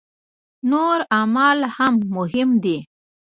نور اعمال هم مهم دي.